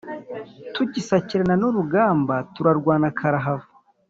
Tugisakirana n’urugamba turarwana karahava